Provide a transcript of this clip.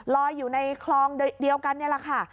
ลอยอยู่ในคลองเดียวกันนี่แหละค่ะ